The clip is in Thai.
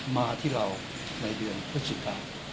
มาที่เราในเดือนพฤศจิกา